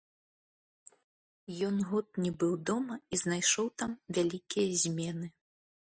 Ён год не быў дома і знайшоў там вялікія змены.